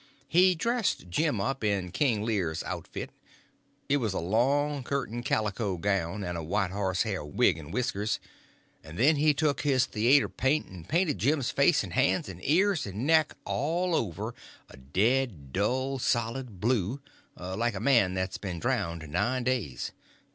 He dressed Jim up in King Lear's outfit—it was a long curtain calico gown, and a white horse hair wig and whiskers; and then he took his theater paint and painted Jim's face and hands and ears and neck all over a dead, dull, solid blue, like a man that's been drownded nine days.